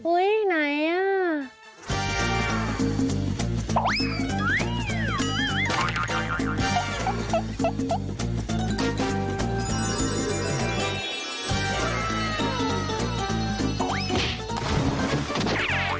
อุ๊ยไหนอ่ะ